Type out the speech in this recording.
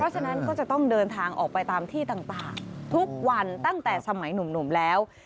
ฉะนั้นก็จะต้องเดินทางออกไปตามที่ต่างทุกวันตั้งแต่สมัยหนุ่มแล้ว